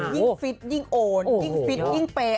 ยิ่งฟิตยิ่งโอญยิ่งฟิตยิ่งเปรย์